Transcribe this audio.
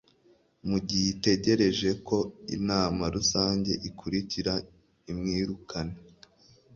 mu gihe itegereje ko inama rusange ikurikira imwirukana